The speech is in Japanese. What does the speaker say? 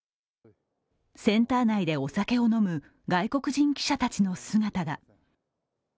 センター内でお酒を飲む外国人記者たちの姿が。